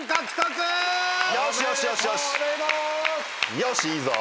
よしいいぞ。